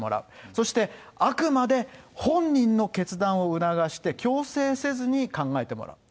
そしてあくまで、本人の決断を促して、強制せずに考えてもらう。